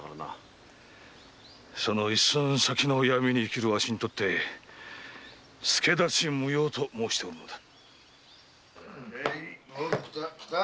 その“一寸先の闇”に生きるわしにとって助太刀無用と申しておるのだ。